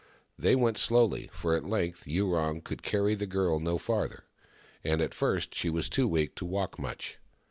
They went slowly, for at length Yurong could carry the girl no farther, and at first she was too weak to walk much.